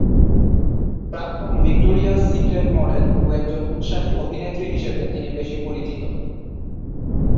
প্রাক্তন Victoria's Secret model ও একজন উৎসাহী অভিনেত্রী হিসেবে তিনি বেশি পরিচিত।